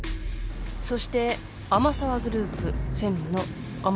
そして天沢グループ専務の天沢雲海。